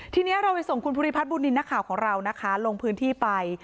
ทีนี้เราไปส่งคุณภูริพัฒนบุญนินทร์นักข่าวของเรานะคะลงพื้นที่ไป